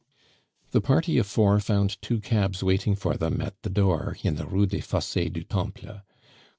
The party of four found two cabs waiting for them at the door in the Rue des Fosses du Temple.